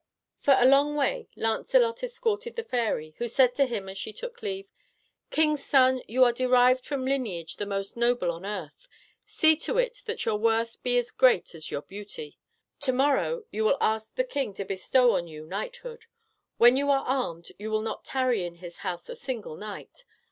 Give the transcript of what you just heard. For a long way, Lancelot escorted the fairy, who said to him as she took leave: "King's son, you are derived from lineage the most noble on earth; see to it that your worth be as great as your beauty. To morrow you will ask the king to bestow on you knighthood; when you are armed, you will not tarry in his house a single night.